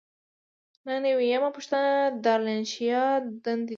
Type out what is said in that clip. نهه نوي یمه پوښتنه د دارالانشا دندې دي.